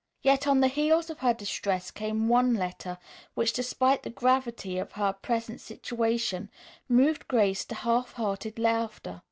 Yet on the heels of her distress came one letter which, despite the gravity of her present situation, moved Grace to half hearted laughter.